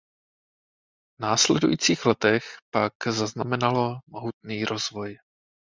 V následujících letech pak zaznamenalo mohutný rozvoj.